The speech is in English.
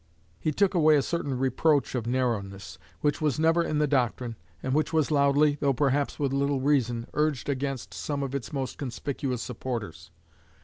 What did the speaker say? He took away a certain reproach of narrowness, which was never in the doctrine, and which was loudly, though perhaps with little reason, urged against some of its most conspicuous supporters.